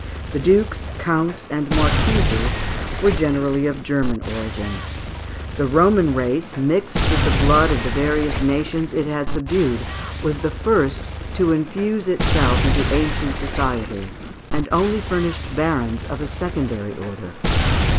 The dukes, counts, and marquises were generally of German origin. The Roman race, mixed with the blood of the various nations it had subdued, was the first to infuse itself into ancient Society, and only furnished barons of a secondary order.